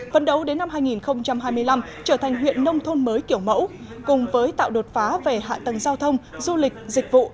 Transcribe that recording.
phấn đấu đến năm hai nghìn hai mươi năm trở thành huyện nông thôn mới kiểu mẫu cùng với tạo đột phá về hạ tầng giao thông du lịch dịch vụ